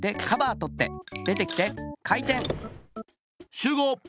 しゅうごう！